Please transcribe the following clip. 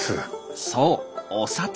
そう「お札」。